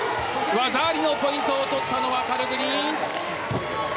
技ありのポイントを取ったのはカルグニン。